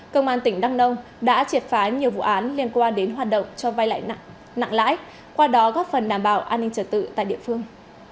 công an tỉnh đăng nông đã triệt phái nhiều vụ án liên quan đến hoạt động cho vai lãi nặng qua đó góp phần đảm bảo an ninh trật tự tại địa phương